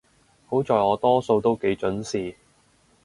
好在我多數都幾準時